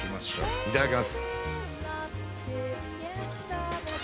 いただきます。